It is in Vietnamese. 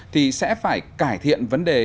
thì sẽ phải cải thiện vấn đề